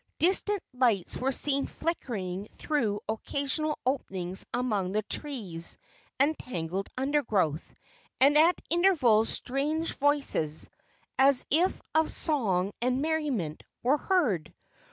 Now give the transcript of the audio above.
Distant lights were seen flickering through occasional openings among the trees and tangled undergrowth, and at intervals strange voices, as if of song and merriment, were heard.